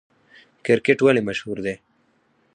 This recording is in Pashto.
کرکټ ولې مشهور دی؟